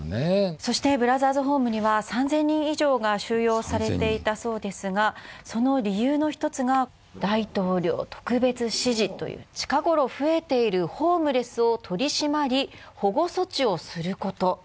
そしてブラザーズホームには３０００人以上が収容されていたそうですが３０００人その理由の１つが大統領特別指示という「近頃増えているホームレスを取り締まり」「保護措置をすること」